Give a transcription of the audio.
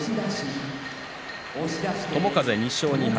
友風２勝２敗